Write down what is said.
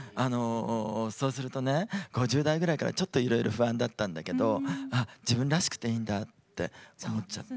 そうすると、５０代ぐらいからちょっといろいろ不安だったんだけど自分らしくていいんだってそう思っちゃった。